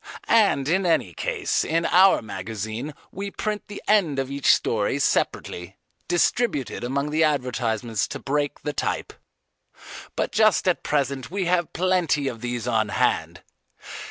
And in any case in our magazine we print the end of each story separately, distributed among the advertisements to break the type. But just at present we have plenty of these on hand.